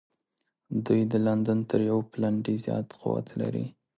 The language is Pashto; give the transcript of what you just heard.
دوی د لندن تر یوه پلنډي زیات قوت لري.